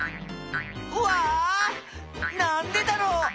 わあなんでだろう？